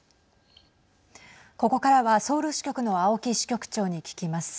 ここからはソウル支局の青木支局長に聞きます。